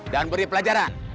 dan beri pelajaran